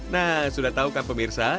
nah sudah tahu kan pemirsa